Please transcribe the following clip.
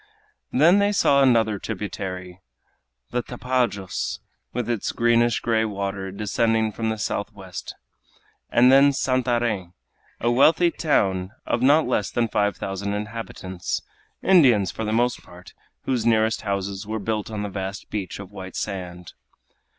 Then they saw another tributary, the Tapajos, with its greenish gray waters descending from the south west; and then Santarem, a wealthy town of not less than five thousand inhabitants, Indians for the most part, whose nearest houses were built on the vast beach of white sand.